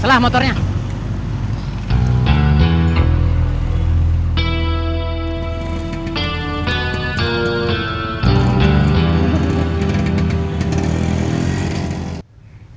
saya mau berhenti jadi copet